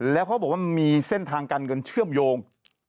แล้วเขาบอกว่ามันมีเส้นทางการเงินเชื่อมโยง